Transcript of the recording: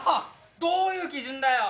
どういう基準だよ！